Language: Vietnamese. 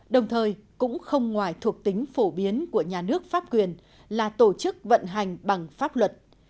đồng thời cũng không ngoài thuộc tính phổ biến của nhà nước pháp quyền là tổ chức vận hành bằng pháp luật